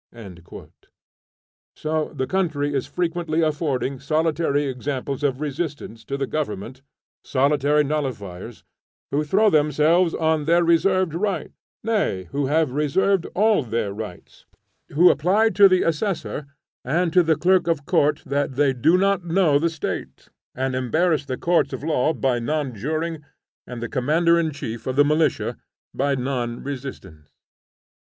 So the country is frequently affording solitary examples of resistance to the government, solitary nullifiers, who throw themselves on their reserved rights; nay, who have reserved all their rights; who reply to the assessor and to the clerk of court that they do not know the State, and embarrass the courts of law by non juring and the commander in chief of the militia by non resistance.